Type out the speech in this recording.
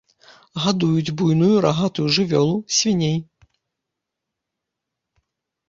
Гадуюць буйную рагатую жывёлу, свіней.